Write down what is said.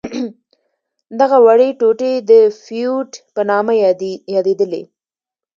دغه وړې ټوټې د فیوډ په نامه یادیدلې.